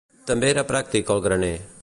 També era pràctic el graner.